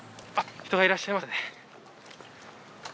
人がいらっしゃいましたね。